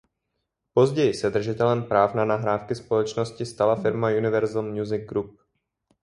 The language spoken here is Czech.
Později se držitelem práv na nahrávky společnosti stala firma Universal Music Group.